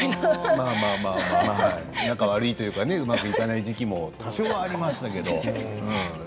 まあまあ仲悪いというかうまくいかない時期も多少はありましたけどでも